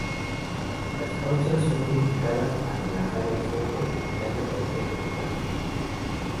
Las pausas son dedicadas a relajar el foco, evitando cualquier actividad.